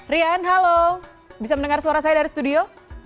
rian halo bisa mendengar suara saya dari studio